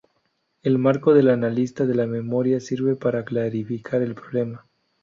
El marco del análisis de la memoria sirve para clarificar el problema.